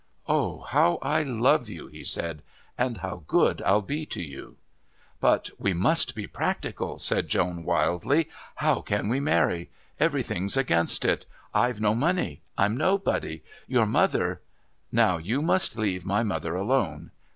"Oh, how I love you!" he said, "and how good I'll be to you!" "But we must be practical," said Joan wildly. "How can we marry? Everything's against it. I've no money. I'm nobody. Your mother " "Now you just leave my mother alone.